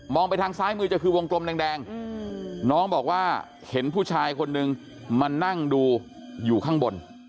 ไปทางซ้ายมือจะคือวงกลมแดงน้องบอกว่าเห็นผู้ชายคนนึงมานั่งดูอยู่ข้างบน